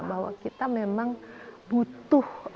bahwa kita memang butuh